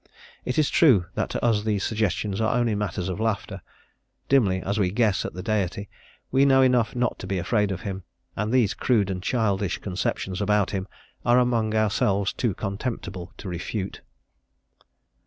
It is true that to us these suggestions are only matters of laughter; dimly as we guess at the Deity, we know enough not to be afraid of Him, and these crude and childish conceptions about Him are among ourselves too contemptible to refute.